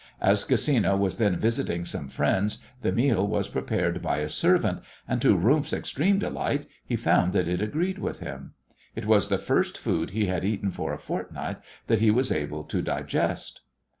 As Gesina was then visiting some friends the meal was prepared by a servant, and to Rumf's extreme delight he found that it agreed with him. It was the first food he had eaten for a fortnight that he was able to digest.